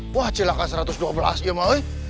wah celaka satu ratus dua belas ya maus